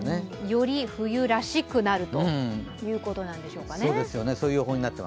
より冬らしくなるということなんでしょうかね。